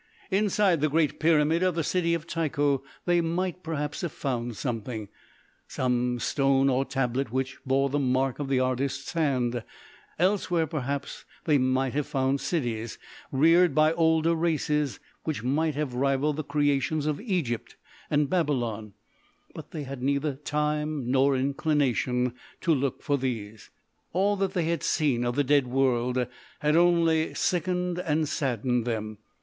Inside the great Pyramid of the City of Tycho they might, perhaps, have found something some stone or tablet which bore the mark of the artist's hand; elsewhere, perhaps, they might have found cities reared by older races, which might have rivalled the creations of Egypt and Babylon, but they had neither time nor inclination to look for these. All that they had seen of the Dead World had only sickened and saddened them.